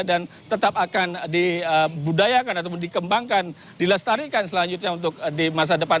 dan tetap akan dibudayakan atau dikembangkan dilestarikan selanjutnya untuk dimulai